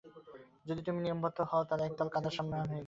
যদি তুমি নিয়মবদ্ধ হও তো এক তাল কাদার সমান হইবে।